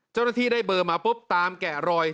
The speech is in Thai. เจ้าหน้าที่ได้เบอร์มาปุ๊บตามแกะรอย